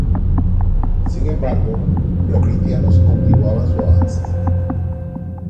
Sin embargo, los cristianos continuaban su avance.